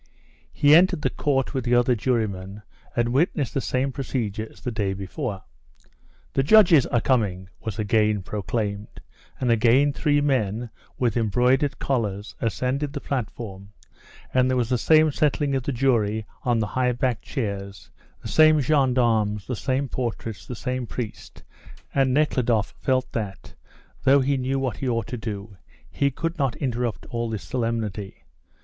He entered the court with the other jurymen, and witnessed the same procedure as the day before. "The judges are coming," was again proclaimed, and again three men, with embroidered collars, ascended the platform, and there was the same settling of the jury on the high backed chairs, the same gendarmes, the same portraits, the same priest, and Nekhludoff felt that, though he knew what he ought to do, he could not interrupt all this solemnity.